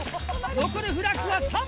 残るフラッグは３本！